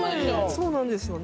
そうなんですよね。